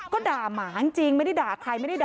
ก็ด่าหมาจริงไม่ได้ด่าใคร